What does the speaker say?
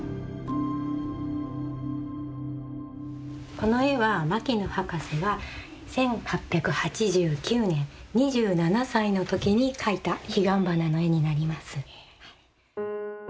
この絵は牧野博士が１８８９年２７歳の時に描いた彼岸花の絵になります。